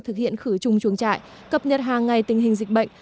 thực hiện khử trùng chuồng trại cập nhật hàng ngày tình hình dịch bệnh